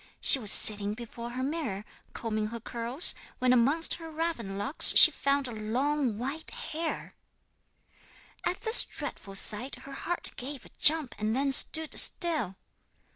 She was sitting before her mirror, combing her curls, when amongst her raven locks she found a long white hair! 'At this dreadful sight her heart gave a jump, and then stood still.